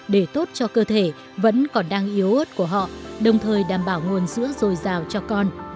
để tốt cho cơ thể vẫn còn đang yếu ớt của họ đồng thời đảm bảo nguồn sữa dồi dào cho con